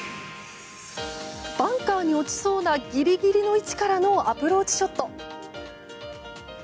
バンカーに落ちそうなギリギリの位置からのアプローチショット。